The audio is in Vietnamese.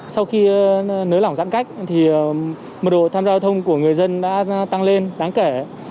sau khi nới lỏng giãn cách đội tham gia giao thông của người dân đã tăng lên đáng kể